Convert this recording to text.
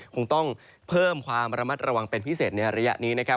คงต้องเพิ่มความระมัดระวังเป็นพิเศษในระยะนี้นะครับ